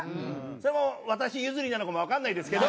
それも私譲りなのかもわかんないですけど。